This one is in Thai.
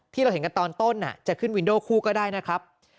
ที่เราเห็นกันตอนต้นจะขึ้นวินโดคู่ก็ได้นะครับ